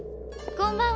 こんばんは。